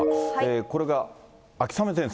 これが秋雨前線。